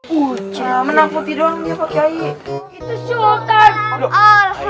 udah menangkuti doang dia pak yai